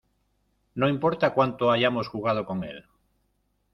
No importa cuánto hayamos jugado con él.